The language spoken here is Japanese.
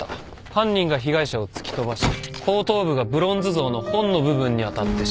犯人が被害者を突き飛ばし後頭部がブロンズ像の本の部分に当たって死亡した。